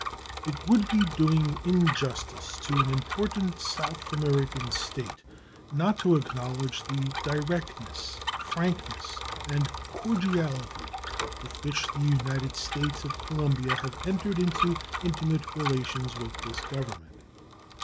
It would be doing injustice to an important South American State not to acknowledge the directness, frankness, and cordiality with which the United States of Colombia have entered into intimate relations with this Government.